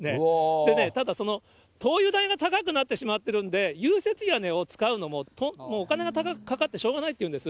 でね、ただ、灯油代が高くなってしまっているので、融雪屋根を使うのも、もうお金がかかってしょうがないっていうんです。